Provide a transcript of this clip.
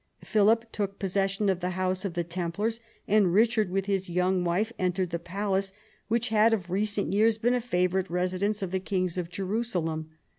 Philip took possession of the house of the Templars, and Eichard, with his young wife, entered the palace, which had of recent years been a favourite residence of the kings of Jerusalem.